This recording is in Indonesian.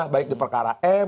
baik di perkara m